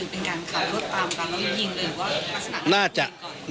คือเป็นการตามรถตามการรถยิงหรือว่า